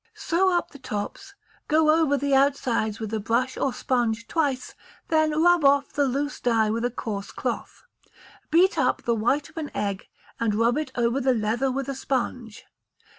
Sew up the tops, go over the outsides with a brush or sponge twice; then rub off the loose dye with a coarse cloth. Beat up the white of an egg, and rub it over the leather with a sponge.